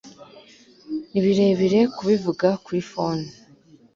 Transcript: ni birebire kubivuga kuri fone